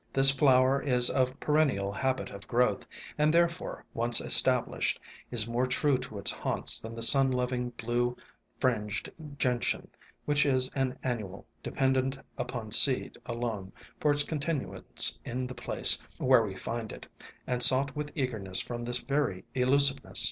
This flower is of perennial habit of growth, and therefore, once established, is more true to its haunts than the sun loving blue Fringed Gentian, which is an annual, dependent upon seed alone for its continuance in the place where we find it, and sought with eagerness from this very elusiveness.